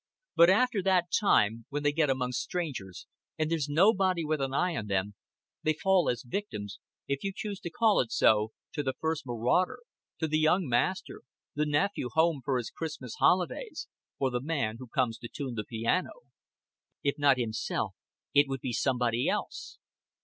But after that time, when they get among strangers and there's nobody with an eye on them, they fall as victims if you choose to call it so to the first marauder to the young master, the nephew home for his Christmas holidays, or the man who comes to tune the piano. If not himself, it would be somebody else.